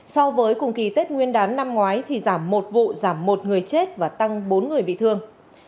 so với cùng kỳ tết nguyên đán năm ngoái thì giảm một vụ giảm một người chết và tăng bốn người bị thương